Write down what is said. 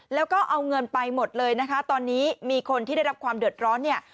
แล้วก็เอาเงินไปหมดเลยนะคะตอนนี้มีคนที่ได้รับความเดือดร้อนเนี่ย